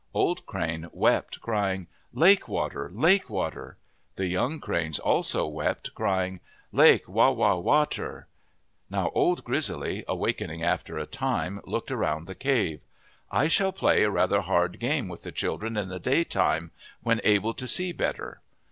Old Crane wept, crying, " Lake water, lake water." The young cranes also wept, crying, " Lake wa wa water.' Now Old Grizzly, awakening after a time, looked around the cave. " I shall play a rather hard game with the children in the daytime, when able to see better.